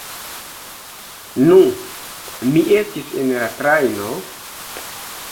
Nu, mi estis en la trajno...